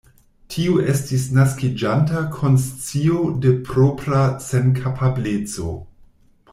Tio estis naskiĝanta konscio de propra senkapableco.